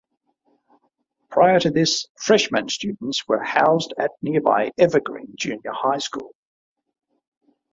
Prior to this, freshman students were housed at nearby Evergreen Junior High School.